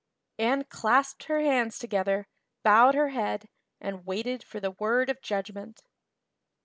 Anne clasped her hands together, bowed her head, and waited for the word of judgment.